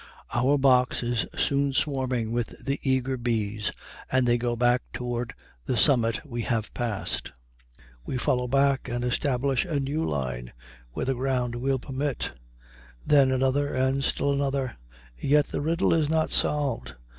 Our box is soon swarming with the eager bees, and they go back toward the summit we have passed. We follow back and establish a new line, where the ground will permit; then another and still another, and yet the riddle is not solved.